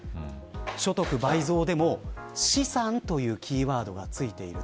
所得倍増でも資産というキーワードがついている。